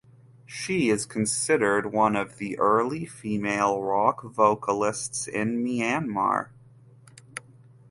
She is considered one of the early female rock vocalists in Myanmar.